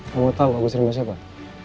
kamu tahu agustin basya pak